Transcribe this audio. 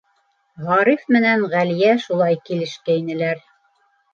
Ғариф менән Ғәлиә шулай килешкәйнеләр.